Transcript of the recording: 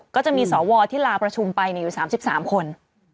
ก็จะมีสอวอที่ลาประชุมไป๓๓คน